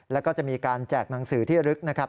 แล้วก็จะมีการแจกหนังสือที่ลึกนะครับ